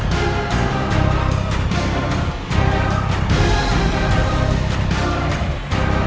sampai sudah jetzt